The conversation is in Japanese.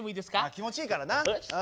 気持ちいいからな。